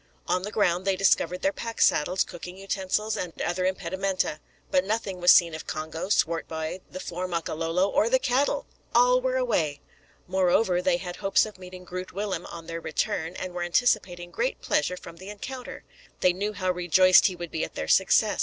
On the ground they discovered their pack saddles, cooking utensils, and other impedimenta, but nothing was seen of Congo, Swartboy, the four Makololo, or the cattle! All were away! Moreover, they had hopes of meeting Groot Willem on their return, and were anticipating great pleasure from the encounter. They knew how rejoiced he would be at their success.